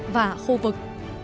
và khu vực